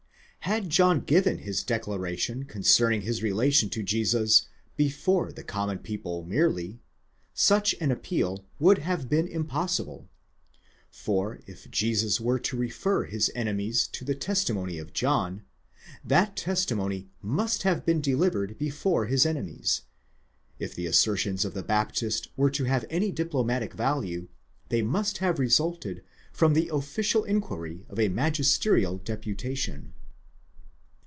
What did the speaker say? Had John given his declaration concerning his relation to Jesus before the common people merely, such an appeal would have been impossible ; for if Jesus were torefer his enemies to the testimony of John, that testimony must have been delivered before his enemies ; if the assertions of the Baptist were to have any diplomatic value, they must have resulted from the official inquiry of a magisterial deputation.